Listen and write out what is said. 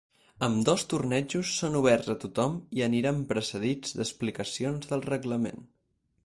Ambdós torneigs són oberts a tothom i aniran precedits d’explicacions del reglament.